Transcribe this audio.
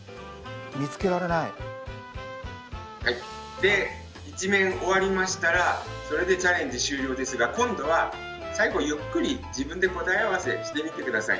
で１面終わりましたらそれでチャレンジ終了ですが今度は最後ゆっくり自分で答え合わせしてみて下さい。